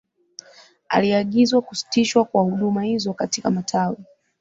aliagizwa kusitishwa kwa huduma hizo katika matawi